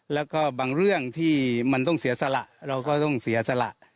แล้วก็บางเรื่องที่มันต้องเสียสละเราก็ต้องเสียสละ